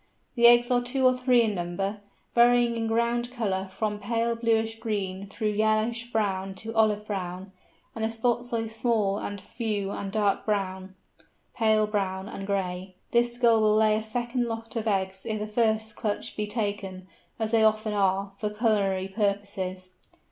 The eggs are two or three in number, varying in ground colour from pale bluish green through yellowish brown to olive brown, and the spots are small and few and dark brown, pale brown, and gray. This Gull will lay a second lot of eggs if the first clutch be taken, as they often are, for culinary purposes.